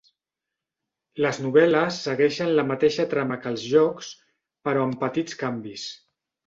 Les novel·les segueixen la mateixa trama que els jocs, però amb petits canvis.